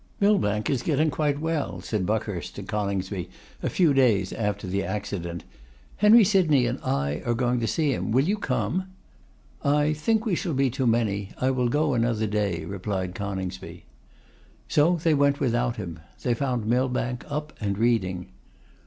'Millbank is getting quite well,' said Buckhurst to Coningsby a few days after the accident. 'Henry Sydney and I are going to see him. Will you come?' 'I think we shall be too many. I will go another day,' replied Coningsby. So they went without him. They found Millbank up and reading.